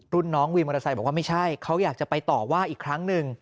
รุ่นน้องวินมอเตอร์ไซค์บอกว่าไม่ใช่เขาอยากจะไปต่อว่าอีกครั้งหนึ่ง